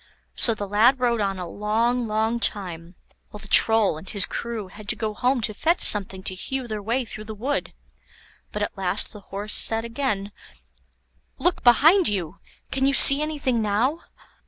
So the lad rode on a long, long time, while the Troll and his crew had to go home to fetch something to hew their way through the wood. But at last the Horse said again: "Look behind you! can you see anything now?"